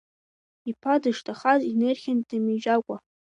Иԥа дышҭахаз инырхьан дамеижьакәа.